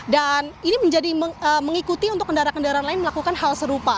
dan ini menjadi mengikuti untuk kendaraan kendaraan lain melakukan hal serupa